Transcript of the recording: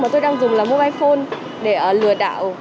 mà tôi đang dùng mobile phone để lừa đảo